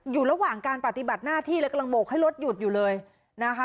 อยู่ระหว่างการปฏิบัติหน้าที่เลยกำลังโบกให้รถหยุดอยู่เลยนะคะ